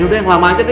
yang lama aja itu